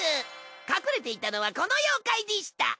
隠れていたのはこの妖怪でした。